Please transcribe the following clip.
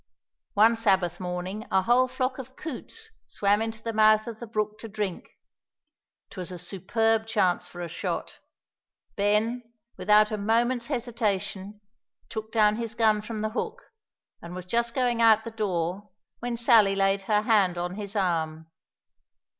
One Sabbath morning a whole flock of coots swam into the mouth of the brook to drink; 'twas a superb chance for a shot. Ben, without a moment's hesitation, took down his gun from the hook, and was just going out the door when Sally laid her hand on his arm.